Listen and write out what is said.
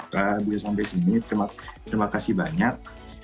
bapak bisa sampai sini terima kasih banyak